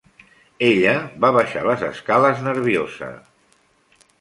Ella va baixar les escales nerviosa.